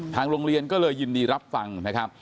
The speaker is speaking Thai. ทางโรงเรียนก็เลยยินดีรับฟังนะครับ